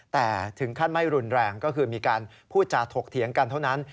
แต่ถึงขั้นไม่รุนแรงก็คือมีการพูดจาถกเถียงกันเท่านั้น